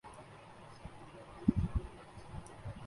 آج ہمیںدونوں سطحوں کی دانش درکار ہے